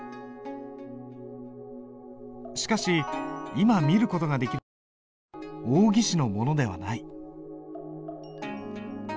しかし今見る事ができる傑作は王羲之のものではない。